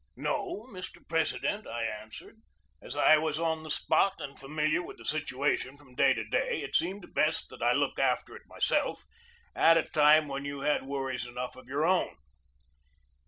"No, Mr. President," I answered. "As I was on the spot and familiar with the situation from day to day, it seemed best that I look after it myself, at a time when you had worries enough of your own."